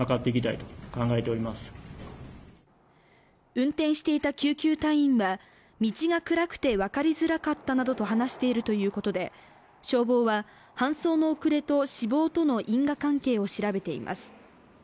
運転していた救急隊員は道が暗くて分かりづらかったなどと話しているということで消防は搬送の遅れと死亡との因果関係を調べています。